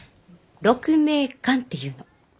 鹿鳴館っていうの。